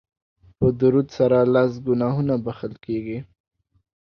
په درود سره لس ګناهونه بښل کیږي